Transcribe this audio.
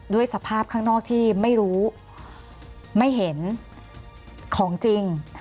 สภาพข้างนอกที่ไม่รู้ไม่เห็นของจริง